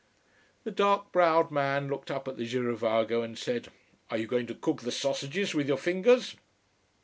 The dark browed man looked up at the girovago and said: "Are you going to cook the sausages with your fingers?"